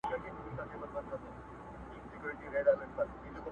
سلده ګان که هوښیاران دي فکر وړي،